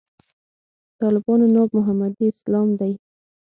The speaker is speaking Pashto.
طالبانو ناب محمدي اسلام دی.